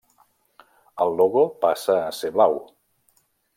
El logo passa a ser blau.